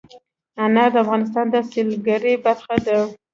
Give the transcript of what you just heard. انار د افغانستان د سیلګرۍ برخه ده.